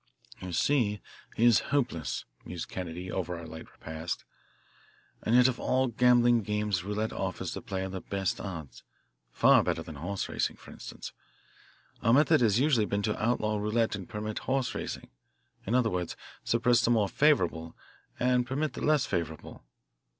"You see, he is hopeless," mused Kennedy over our light repast. "And yet of all gambling games roulette offers the player the best odds, far better than horse racing, for instance. Our method has usually been to outlaw roulette and permit horse racing; in other words, suppress the more favourable and permit the less favourable.